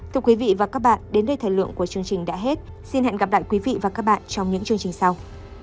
thưa quý vị và các bạn đến đây thời lượng của chương trình đã hết xin hẹn gặp lại quý vị và các bạn trong những chương trình sau